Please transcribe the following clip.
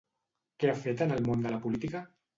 Què ha fet en el món de la política?